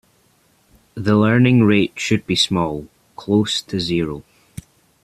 The learning rate should be small, close to zero.